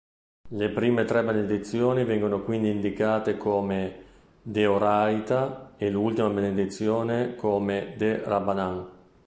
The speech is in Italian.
Le prime tre benedizioni vengono quindi indicate come "de-'oraita" e l'ultima benedizione come "de-rabbanan".